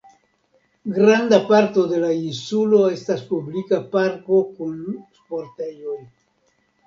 Granda parto de la insulo estas publika parko kun sportejoj.